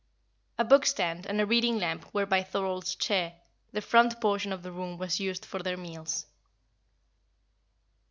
A book stand and a reading lamp were by Thorold's chair; the front portion of the room was used for their meals.